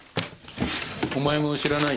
お前も知らないよな？